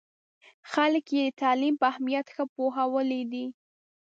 خلک یې د تعلیم په اهمیت ښه پوهولي دي.